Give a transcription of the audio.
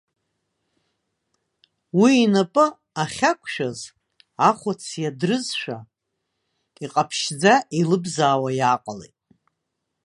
Уи инапы ахьақәшәаз, ахәац иадрызшәа иҟаԥшьшьӡа, еилыбзаауа иааҟалеит.